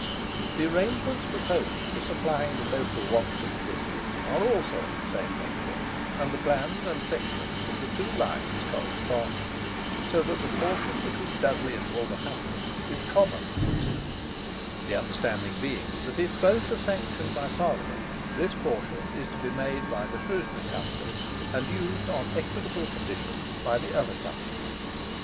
The arrangements proposed for supplying the local wants of the district are also of the same nature, and the plans and sections of the two lines correspond, so that the portion between Dudley and Wolverhampton is common to the two; the understanding being that, if both are sanctioned by Parliament, this portion is to be made by the Shrewsbury Company, and used on equitable conditions by the other Company.